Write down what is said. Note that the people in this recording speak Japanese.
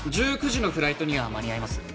１９時のフライトには間に合います